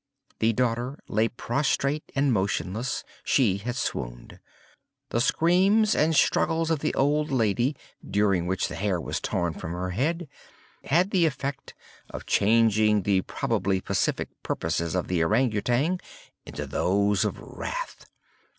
The daughter lay prostrate and motionless; she had swooned. The screams and struggles of the old lady (during which the hair was torn from her head) had the effect of changing the probably pacific purposes of the Ourang Outang into those of wrath.